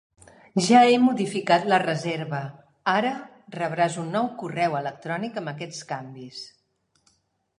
Ja he modificat la reserva, ara rebràs un nou correu electrònic amb aquests canvis.